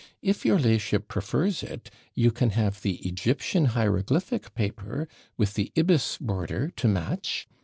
if your la'ship prefers it, you can have the EGYPTIAN HIEROGLYPHIC PAPER, with the IBIS BORDER to match!